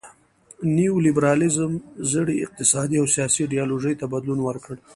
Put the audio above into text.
نیو لیبرالیزم زړې اقتصادي او سیاسي ایډیالوژۍ ته بدلون ورکړ.